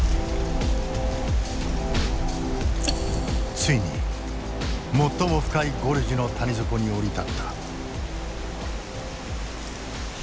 ついに最も深いゴルジュの谷底に降り立った。